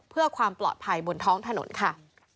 เพื่อความปลอดภัยบนท้องถนนค่ะ